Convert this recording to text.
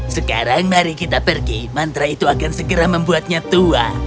sekarang mari kita pergi mantra itu akan segera membuatnya tua